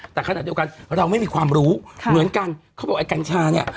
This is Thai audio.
แต่ขณะเดียวกันเราไม่มีความรู้เหมือนกันเขาบอกไอ้กัญชาเนี่ย